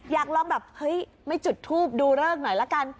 อยากลองแบบเฮ้ยไม่จุดทูปดูเลิกหน่อยละกัน